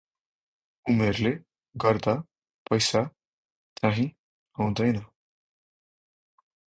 उमेरले गर्दा पैसा चाहिँं आउँदैन ।